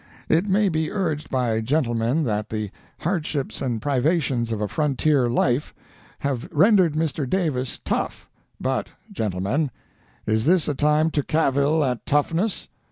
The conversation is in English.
It may be urged by gentlemen that the hardships and privations of a frontier life have rendered Mr. Davis tough; but, gentlemen, is this a time to cavil at toughness?